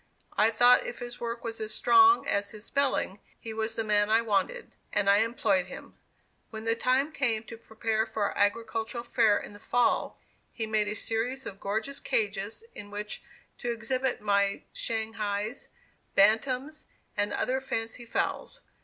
I thought if his work was as strong as his spelling, he was the man I wanted, and I employed him. When the time came to prepare for our agricultural fair in the fall, he made a series of gorgeous cages in which to exhibit my shanghaes, bantams, and other fancy fowls.